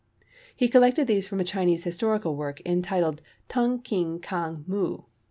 He collected these from a Chinese historical work, entitled Tung Keen Kang Muh.